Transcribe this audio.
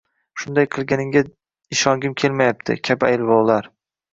Shunday qilganingga ishongim kelmayapti!” kabi ayblovlar.